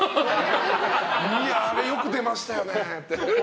あれよく出ましたよねって。